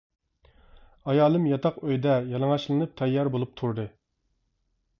ئايالىم ياتاق ئۆيدە يالىڭاچلىنىپ تەييار بولۇپ تۇردى.